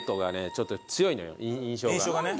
ちょっと強いのよ印象が。